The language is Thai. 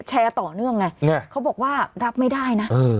แชร์ต่อเนื่องไงเนี่ยเขาบอกว่ารับไม่ได้น่ะเออ